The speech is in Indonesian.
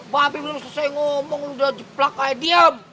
babi belum selesai ngomong udah jeplak kaya diem